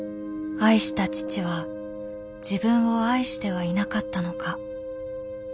愛した父は自分を愛してはいなかったのか。